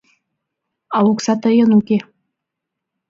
А окса тыйын уке».